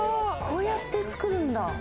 こうやって作るんだ。